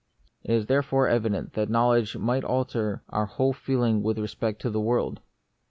It is therefore evident that knowledge might alter our whole feeling with respect to the world.